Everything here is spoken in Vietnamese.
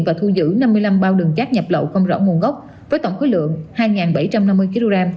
và thu giữ năm mươi năm bao đường cát nhập lậu không rõ nguồn gốc với tổng khối lượng hai bảy trăm năm mươi kg